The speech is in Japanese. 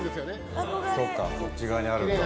そっかそっち側にあるんだ。